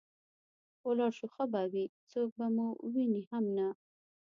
ولاړ شو ښه به وي، څوک به مو ویني هم نه.